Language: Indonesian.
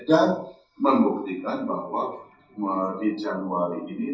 dan membuktikan bahwa di januari ini